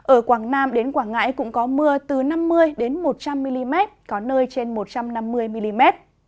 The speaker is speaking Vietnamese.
ở quảng nam đến quảng ngãi cũng có mưa từ năm mươi một trăm linh mm có nơi trên một trăm năm mươi mm